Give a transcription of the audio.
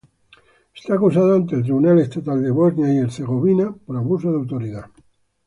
Está acusado ante el Tribunal Estatal de Bosnia y Herzegovina por abuso de autoridad.